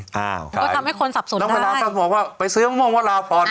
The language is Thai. ครับก็ทำให้คนสับสนได้น้องฝราศัพท์บอกว่าไปซื้อมุมวรพร